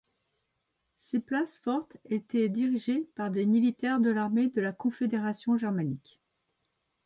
Ces places-fortes étaient dirigées par des militaires de l'armée de la confédération germanique.